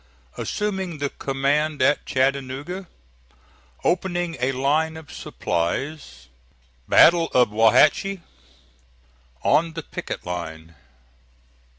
ASSUMING THE COMMAND AT CHATTANOOGA OPENING A LINE OF SUPPLIES BATTLE OF WAUHATCHIE ON THE PICKET LINE.